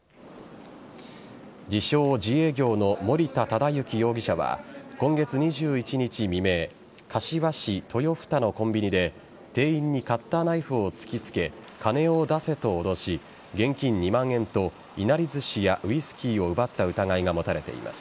自称・自営業の森田忠幸容疑者は今月２１日未明柏市十余二のコンビニで店員にカッターナイフを突きつけ金を出せと脅し現金２万円といなりずしやウイスキーを奪った疑いが持たれています。